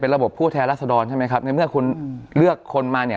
ระบบผู้แทนรัศดรใช่ไหมครับในเมื่อคุณเลือกคนมาเนี่ย